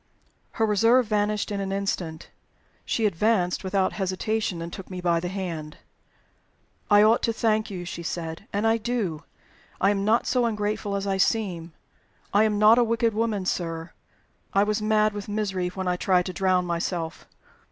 Her reserve vanished in an instant. She advanced without hesitation, and took me by the hand. "I ought to thank you," she said. "And I do. I am not so ungrateful as I seem. I am not a wicked woman, sir I was mad with misery when I tried to drown myself.